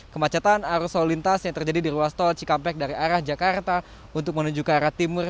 kemacetan arus lalu lintas yang terjadi di ruas tol cikampek dari arah jakarta untuk menuju ke arah timur